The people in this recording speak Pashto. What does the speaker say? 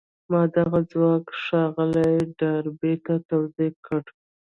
ما دغه ځواک ښاغلي ډاربي ته توضيح کړ.